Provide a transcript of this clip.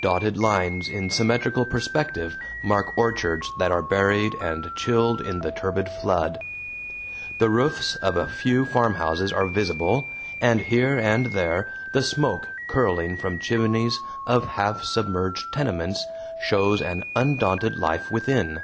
Dotted lines in symmetrical perspective mark orchards that are buried and chilled in the turbid flood. The roofs of a few farmhouses are visible, and here and there the smoke curling from chimneys of half submerged tenements shows an undaunted life within.